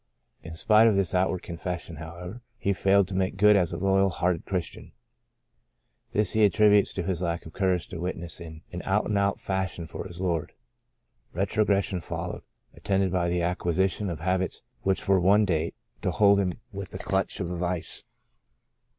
In spite of this outward confession, how ever, he failed to make good as a loyal hearted Christian. This he attributes to his lack of courage to witness in an out and out fashion for his Lord. Retrogression followed, attended by the acquisition of habits which were one day to hold him with the clutch o{ Saved to Serve 89 a vise.